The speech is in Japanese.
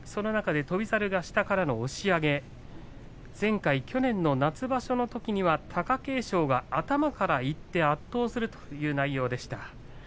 翔猿が下からの押し上げ前回、去年の夏場所のときには貴景勝が頭からいって圧倒するという内容でした。